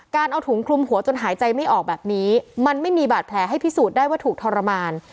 เอาถุงคลุมหัวจนหายใจไม่ออกแบบนี้มันไม่มีบาดแผลให้พิสูจน์ได้ว่าถูกทรมาน